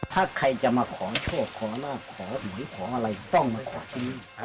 ถ้าใครจะมาขอช่วยขอมากขอหรือขออะไรต้องมาขอตรงนี้